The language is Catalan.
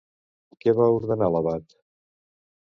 Què va ordenar l'abat?